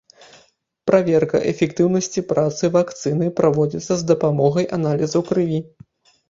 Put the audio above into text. Праверка эфектыўнасці працы вакцыны праводзіцца з дапамогай аналізаў крыві.